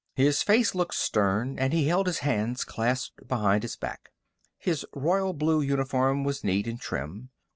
His face looked stern, and he held his hands clasped behind his back. His royal blue uniform was neat and trim.